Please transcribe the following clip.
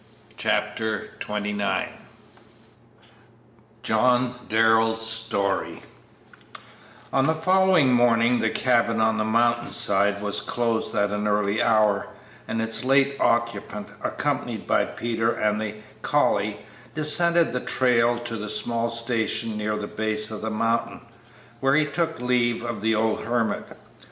Chapter XXIX JOHN DARRELL'S STORY On the following morning the cabin on the mountain side was closed at an early hour, and its late occupant, accompanied by Peter and the collie, descended the trail to the small station near the base of the mountain, where he took leave of the old hermit.